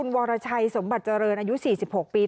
วรชัยสมบัติเจริญอายุ๔๖ปี